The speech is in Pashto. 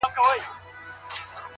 اوس دا يم ځم له خپلي مېني څخه_